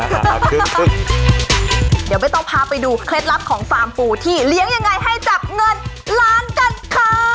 เดี๋ยวไม่ต้องพาไปดูเคล็ดลับของฟาร์มปูที่เลี้ยงยังไงให้จับเงินล้านกันค่ะ